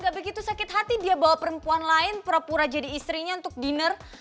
gak begitu sakit hati dia bawa perempuan lain pura pura jadi istrinya untuk dinner